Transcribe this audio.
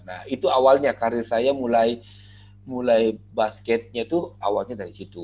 nah itu awalnya karir saya mulai basketnya itu awalnya dari situ